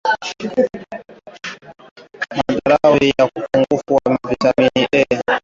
Madhara ya upungufu wa vitamin A ya viazi lishe ikipungua mwili hupata madhara